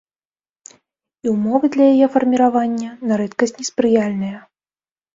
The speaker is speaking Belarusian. І ўмовы для яе фарміравання на рэдкасць неспрыяльныя.